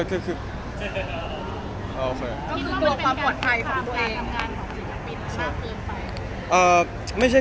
นี่คือความปลอดภัยของตัวเอง